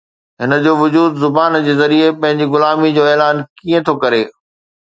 هن جو وجود زبان ذريعي پنهنجي غلاميءَ جو اعلان ڪيئن ٿو ڪري؟